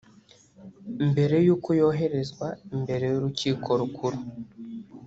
mbere y’uko yoherezwa imbere y’urukiko rukuru